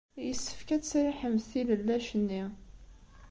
Yessefk ad tesriḥemt tilellac-nni.